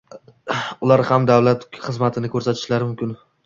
ular ham davlat xizmatini ko‘rsatishlari mumkin;